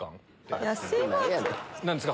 何ですか？